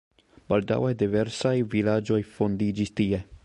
Baldaŭe diversaj vilaĝoj fondiĝis tie.